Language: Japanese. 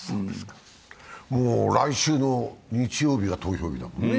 もう来週の日曜日が投票日だもんね。